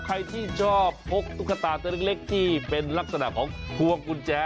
ใครที่ชอบพกตุ๊กตาตัวเล็กที่เป็นลักษณะของพวงกุญแจ